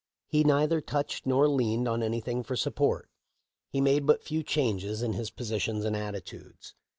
He neither touched nor leaned on anything for support. He made but few changes in his positions and attitudes.